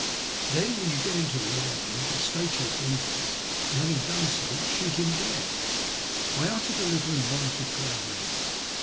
Then, when you get into the library, you can state your grievance and, having done so, shoot him dead." I uttered a little involuntary cry of anger.